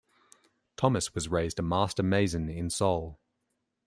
Thomas was raised a Master Mason in Sol.